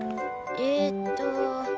えっと。